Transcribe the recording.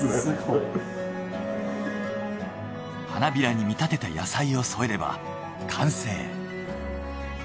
花びらに見立てた野菜を添えれば完成。